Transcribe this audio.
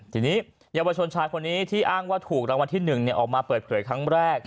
ทีนี้เยาวชนชายคนนี้ที่อ้างว่าถูกรางวัลที่๑ออกมาเปิดเผยครั้งแรก